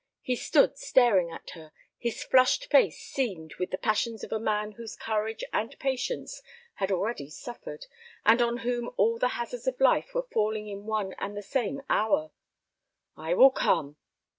He stood staring at her, his flushed face seamed with the passions of a man whose courage and patience had already suffered, and on whom all the hazards of life were falling in one and the same hour. "I will come."